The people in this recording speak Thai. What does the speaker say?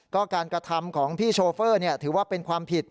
ก็การกระทำของพี่โชเฟอร์ถือว่าเป็นความผิด